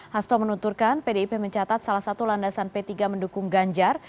hasto menunturkan pdip mencatat salah satu landasan p tiga mendukung ganjar